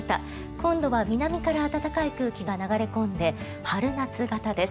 今度は南から暖かい空気が流れ込んで春夏型です。